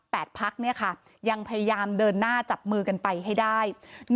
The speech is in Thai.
พักยังพยายามเดินหน้าจับมือกันไปให้ได้